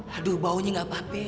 haduh baunya gak apa apa